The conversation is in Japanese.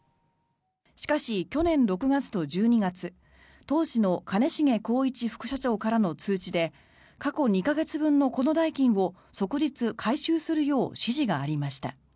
しかし、去年６月と１２月当時の兼重宏一副社長からの通知で過去２か月分のこの代金を即日、回収するよう指示がありました。